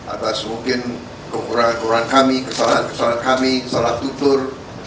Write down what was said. atas mungkin kekurangan kekurangan kami kesalahan kesalahan kami salah tutur